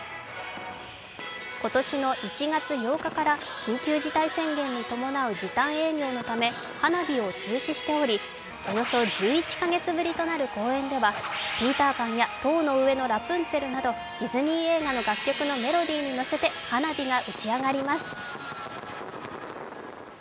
今年の１月８日から緊急事態宣言に伴う時短営業のため花火を中止しており、およそ１１カ月ぶりとなる公演では「ピーター・パン」や「塔の上のラプンツェル」などディズニー映画の楽曲のメロディーに乗せて花火が打ち上がります。